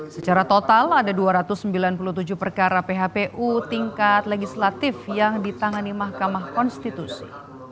secara total ada dua ratus sembilan puluh tujuh perkara phpu tingkat legislatif yang ditangani mahkamah konstitusi